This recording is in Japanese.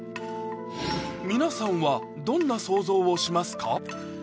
皆さんはどんな想像をしますか？